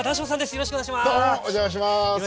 よろしくお願いします。